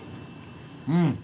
うん。